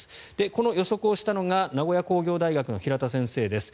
この予測をしたのが名古屋工業大学の平田先生です。